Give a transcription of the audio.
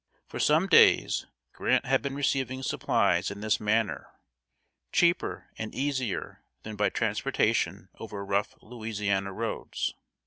For some days, Grant had been receiving supplies in this manner, cheaper and easier than by transportation over rough Louisiana roads.